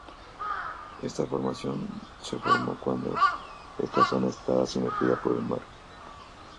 Esta formación se formó cuando esta zona estaba sumergida por el mar.